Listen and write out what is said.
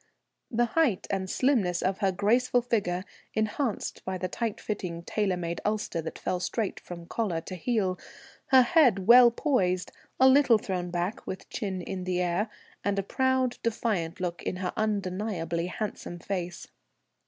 The height and slimness of her graceful figure enhanced by the tight fitting tailor made ulster that fell straight from collar to heel; her head well poised, a little thrown back with chin in the air, and a proud defiant look in her undeniably handsome face.